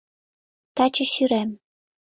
Таче сӱрем.